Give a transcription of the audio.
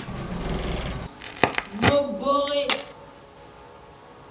Mo mbore.